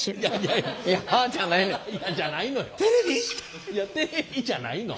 いや「テレビ！？」じゃないの。